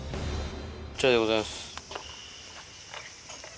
こちらでございます。